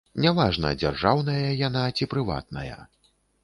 Не важна, дзяржаўная яна ці прыватная.